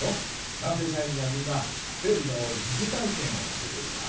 男性社員には、みんな生理の疑似体験をさせているとか。